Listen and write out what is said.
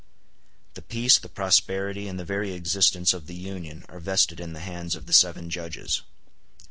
The peace, the prosperity, and the very existence of the Union are vested in the hands of the seven judges.